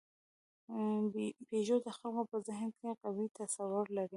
پيژو د خلکو په ذهن کې قوي تصور لري.